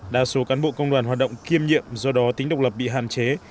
đa số cán bộ công đoàn hoạt động kiêm nhiệm do đó tính độc lập bị hạn chế